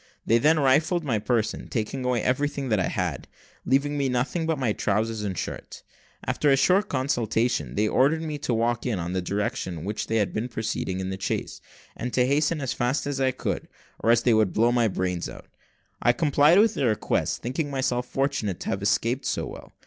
They then rifled my person, taking away everything that I had, leaving me nothing but my trowsers and shirt. After a short consultation, they ordered me to walk on in the direction in which we had been proceeding in the chaise, and to hasten as fast as I could, or they would blow my brains out. I complied with their request, thinking myself fortunate to have escaped so well.